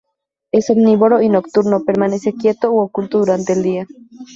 Es omnívoro y nocturno, permanece quieto u oculto durante el día.